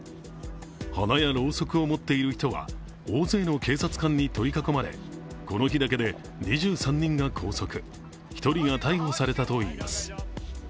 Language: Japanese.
花やろうそくを持っている人は大勢の警察官に取り囲まれこの日だけで２３人が拘束１人が逮捕されたといいます。